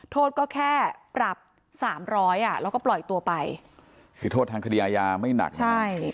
โทษก็แค่ปรับสามร้อยอ่ะแล้วก็ปล่อยตัวไปคือโทษทางคดีอาญาไม่หนักนะใช่